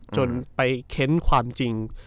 จนไปเค้นความจริง